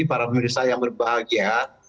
para pemirsa yang berbahagia